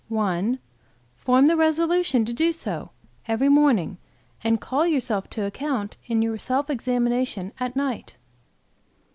"1. Form the resolution to do so, every morning, and call yourself to account in your self examination at night.